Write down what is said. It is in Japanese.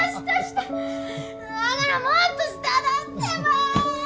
だからもっと下だってば！